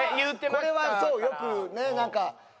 これはよくねなんか。